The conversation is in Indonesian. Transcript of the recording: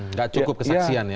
tidak cukup kesaksian ya